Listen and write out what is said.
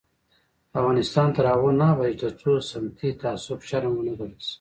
افغانستان تر هغو نه ابادیږي، ترڅو سمتي تعصب شرم ونه ګڼل شي.